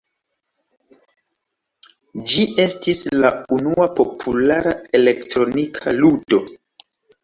Ĝi estis la unua populara elektronika ludo.